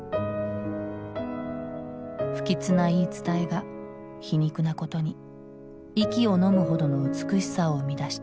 不吉な言い伝えが皮肉なことに息をのむほどの美しさを生み出した。